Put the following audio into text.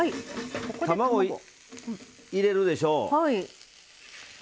卵入れるでしょう。